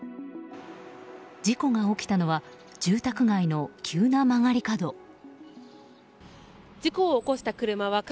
事故が起きたのは住宅街の急な曲がり角。